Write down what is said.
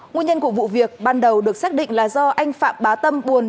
nguyên nhân của vụ việc ban đầu được xác định là do anh phạm bá tâm buồn